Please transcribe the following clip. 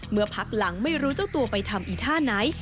พักหลังไม่รู้เจ้าตัวไปทำอีท่าไหน